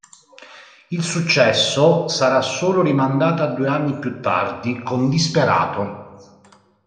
Il successo sarà solo rimandato a due anni più tardi con "Disperato".